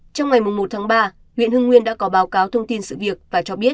trong ngày một tháng ba huyện hưng nguyên đã có báo cáo thông tin sự việc và cho biết